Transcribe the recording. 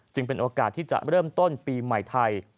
เป็นโอกาสที่จะเริ่มต้นปีใหม่ไทย